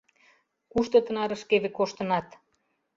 — Кушто тынарышкеве коштынат?